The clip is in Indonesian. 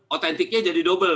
autentiknya jadi dobel